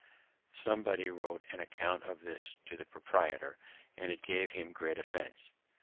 Somebody wrote an account of this to the proprietor, and it gave him great offense.